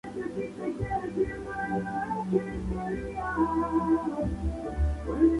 El Pub Malevo lo retiró y colocó uno similar.